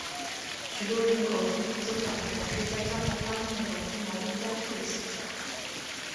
许多人口迅速增长的城市在战后发生了种族矛盾加剧的现象。